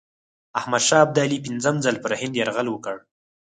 احمدشاه ابدالي پنځم ځل پر هند یرغل وکړ.